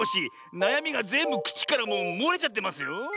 なやみがぜんぶくちからもうもれちゃってますよ。